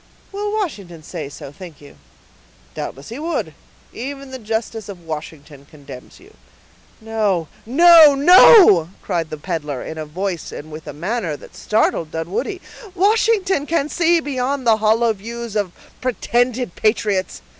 "Will Washington say so, think you?" "Doubtless he would; even the justice of Washington condemns you." "No, no, no," cried the peddler, in a voice and with a manner that startled Dunwoodie. "Washington can see beyond the hollow views of pretended patriots.